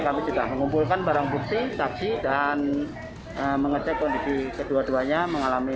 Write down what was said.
kita ngumpulkan barang bukti kaksi dan mengecek kondisi kedua duanya mengalami